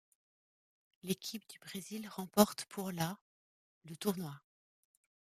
L'équipe du Brésil remporte pour la le tournoi.